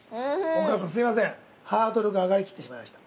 ◆お母さん、すみません、ハードルが上がりきってしまいました。